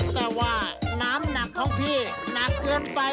แต่ว่าน้ำหนักของพี่หนักเกินไป